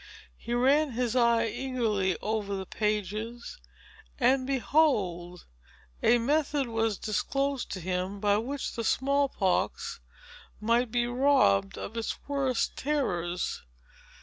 He ran his eye eagerly over the pages; and, behold! a method was disclosed to him, by which the small pox might be robbed of its worst terrors.